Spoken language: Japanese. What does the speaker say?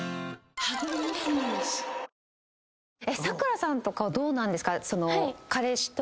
さくらさんとかどうなんですか？